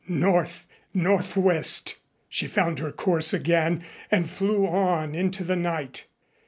North northwest! She found her course again and flew on into the night.